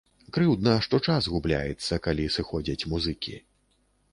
Крыўдна, што час губляецца, калі сыходзяць музыкі.